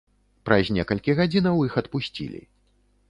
Праз некалькі гадзінаў іх адпусцілі.